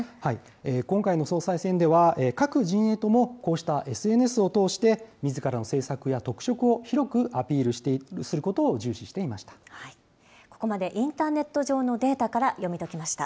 今回の総裁選では、各陣営とも、こうしたＳＮＳを投じて、みずからの政策や特色を広くアピールすることを重視していました。